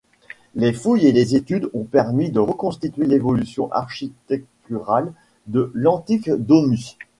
Les fouilles et les études ont permis de reconstituer l’évolution architecturale de l’antique domus.